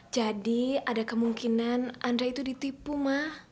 jadi ada kemungkinan andra itu ditipu mak